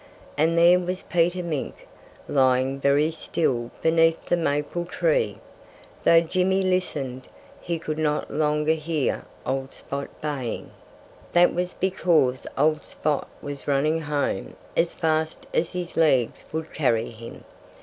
And there was Peter Mink, lying very still beneath the maple tree. Though Jimmy listened, he could no longer hear old Spot baying. [Illustration: JIMMY WENT SAILING THROUGH THE AIR] That was because old Spot was running home as fast as his legs would carry him.